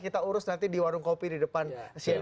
kita urus nanti di warung kopi di depan cnn indonesia